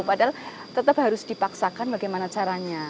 padahal tetap harus dipaksakan bagaimana caranya